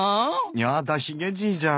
やだヒゲじいじゃん。